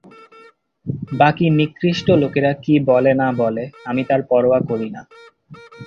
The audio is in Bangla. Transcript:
বাকী নিকৃষ্ট লোকেরা কি বলে না বলে, আমি তার পরোয়া করি না।